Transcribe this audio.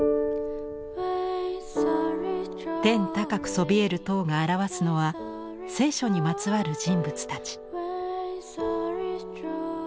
天高くそびえる塔が表すのは聖書にまつわる人物たち。